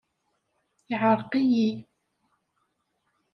Yeɛreq-iyi.